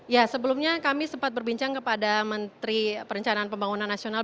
ya sebelumnya kami sempat berbincang kepada menteri perencanaan pembangunan nasional